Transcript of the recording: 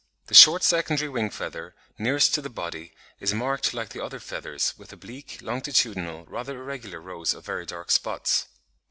The short secondary wing feather (Fig. 58), nearest to the body, is marked like the other feathers, with oblique, longitudinal, rather irregular, rows of very dark spots.